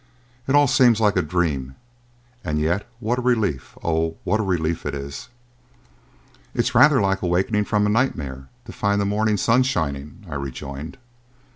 It all seems like a dream, and yet what a relief oh! what a relief it is." "It is rather like the awakening from a nightmare to find the morning sun shining," I rejoined.